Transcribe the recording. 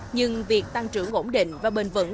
nhưng việc tăng trưởng ổn định và bền vững